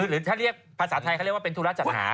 หรือถ้าเรียกภาษาไทยเขาเรียกว่าเป็นธุระจัดหา